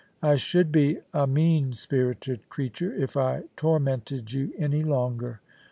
I should be a mean spirited creature if I tormented you any longer.